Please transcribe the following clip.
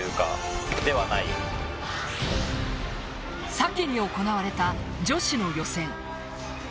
先に行われた女子の予選。